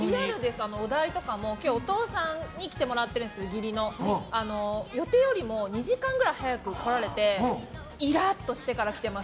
お題とかも今日、義理のお父さんに来てもらってるんですけど予定よりも２時間くらい早く来られてイラッとしてから来てます。